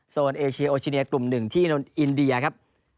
โซนเอเชียโอชิเนียกลุ่ม๑ที่อินเดียครับ